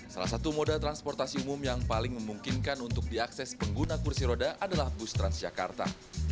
salah satu moda transportasi umum yang paling memungkinkan untuk diakses pengguna kursi roda adalah bus transjakarta